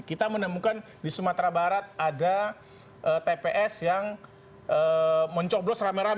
kita menemukan di sumatera barat ada tps yang mencoblos rame rame